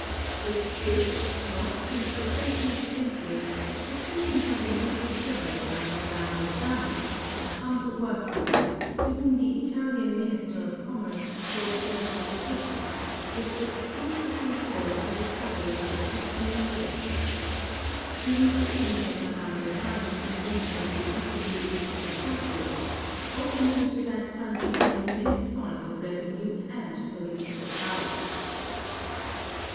Its stitch, lost since the thirteenth century, has re cently been rediscovered by Madame Bessani, a humble work woman, to whom the Italian Minister of Commerce accorded letters patent, with exclusive control of her discovery for fifteen years. The importance of Madame Bessani's invention to Italy is incalculable, opening to that country an immense source of revenue and political power.